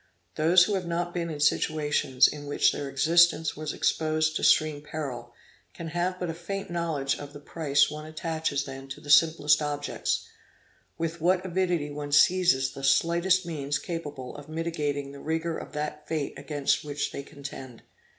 Those who have not been in situations in which their existence was exposed to extreme peril, can have but a faint knowledge of the price one attaches then to the simplest objects with what avidity one seizes the slightest means capable of mitigating the rigor of that fate against which they contend.